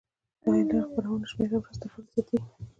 د انلاین خپرونو شمېره ورځ تر بلې زیاتیږي.